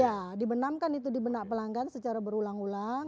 iya dibenamkan itu dibenamkan secara berulang ulang